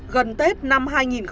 gần tết năm hai nghìn một mươi bảy